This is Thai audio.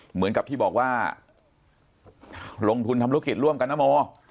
เหมือนกับที่บอกว่าลงทุนทำธุรกิจร่วมกันนะโม